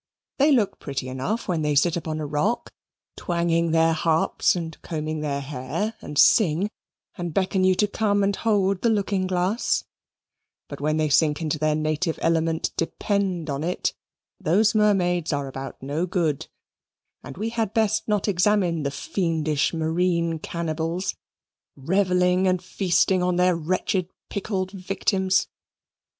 They look pretty enough when they sit upon a rock, twanging their harps and combing their hair, and sing, and beckon to you to come and hold the looking glass; but when they sink into their native element, depend on it, those mermaids are about no good, and we had best not examine the fiendish marine cannibals, revelling and feasting on their wretched pickled victims.